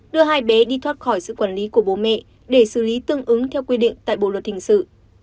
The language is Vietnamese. đưa hai bé đi thoát khỏi sự quản lý của bố mẹ để xử lý tương ứng theo quy định tại bộ luật hình sự